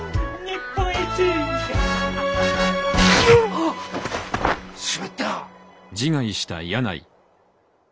あっ！しまった！